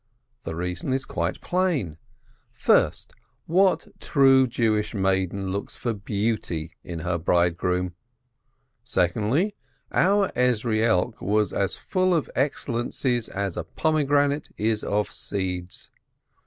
The reason is quite plain: First, what true Jewish maiden looks for beauty in her bridegroom? Secondly, our Ezrielk was as full of excellencies as a pomegranate is of seeds.